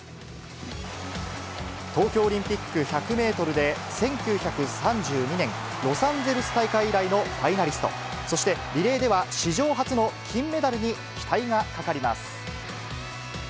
東京オリンピック１００メートルで、１９３２年ロサンゼルス大会以来のファイナリスト、そしてリレーでは史上初の金メダルに期待がかかります。